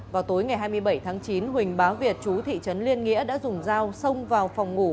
vào tối ngày hai mươi bảy tháng chín huỳnh bá việt chú thị trấn liên nghĩa đã dùng dao xông vào phòng ngủ